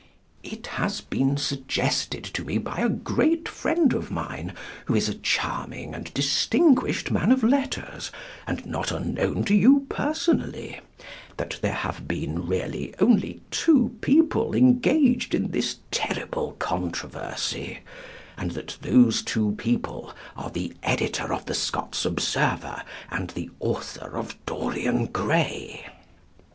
It has been suggested to me by a great friend of mine, who is a charming and distinguished man of letters (and not unknown to you personally), that there have been really only two people engaged in this terrible controversy, and that those two people are the editor of the Scots Observer and the author of "Dorian Gray."